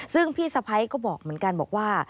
ซึ่งพี่สะพ้ายก็บอกเหมือนกันบอกว่า